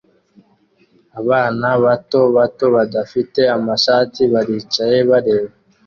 Abana bato bato badafite amashati baricaye bareba